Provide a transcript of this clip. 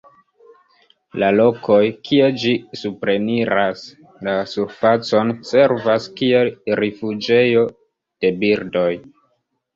La lokoj, kie ĝi supreniras la surfacon, servas kiel rifuĝejo de birdoj.